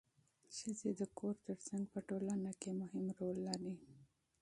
ښځې د کور ترڅنګ په ټولنه کې مهم رول لري